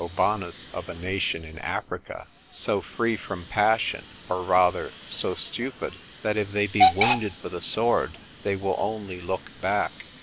Aubanus of a nation in Africa, so free from passion, or rather so stupid, that if they be wounded with a sword, they will only look back.